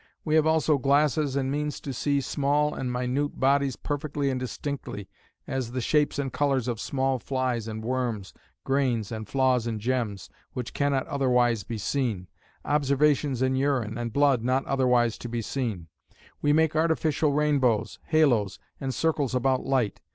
We have also glasses and means to see small and minute bodies perfectly and distinctly; as the shapes and colours of small flies and worms, grains and flaws in gems, which cannot otherwise be seen, observations in urine and blood not otherwise to be seen. We make artificial rain bows, halo's, and circles about light.